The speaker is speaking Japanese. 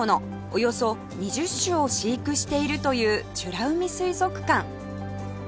およそ２０種を飼育しているという美ら海水族館